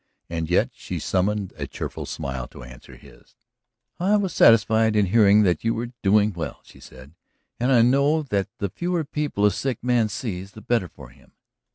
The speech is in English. And yet she summoned a cheerful smile to answer his. "I was satisfied just in hearing that you were doing well," she said. "And I know that the fewer people a sick man sees the better for him."